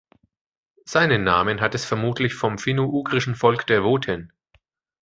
Seinen Namen hat es vermutlich vom finno-ugrischen Volk der Woten.